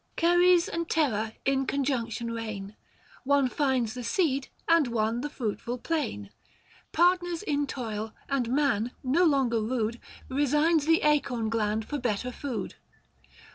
28 THE FASTI. "Book I. Ceres and Terra in conjunction reign — 725 One finds the seed and one the fruitful plain, Partners in toil ; and man, no longer rude, Resigns the acorn gland for better food.